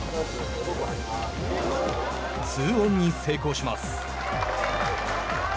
２オンに成功します。